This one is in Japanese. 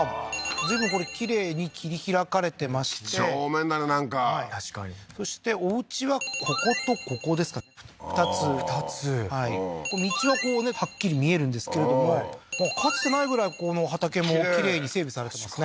随分これ綺麗に切り拓かれてましてきちょうめんだねなんか確かにそしておうちはこことここですか２つ２つ道はこうねはっきり見えるんですけれどもかつてないぐらいこの畑もきれいに整備されてますね